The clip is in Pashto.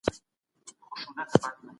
قونسلګریو د مسافرو ستونزي هوارولې.